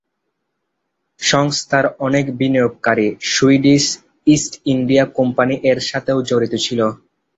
সংস্থার অনেক বিনিয়োগকারী সুইডিশ ইস্ট ইন্ডিয়া কোম্পানি এর সাথেও জড়িত ছিল।